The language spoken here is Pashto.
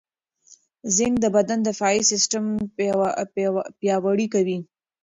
زېنک د بدن دفاعي سیستم پیاوړی کوي.